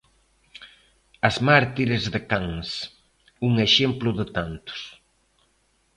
'As mártires de Cans, un exemplo de tantos'.